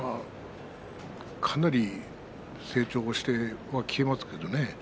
かなり成長してきてますけどね。